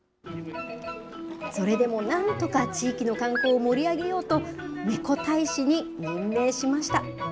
それでもなんとか地域の観光を盛り上げようと、ねこ大使に任命しました。